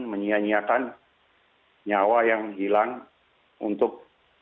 menyianyiakan nyawa yang hilang untuk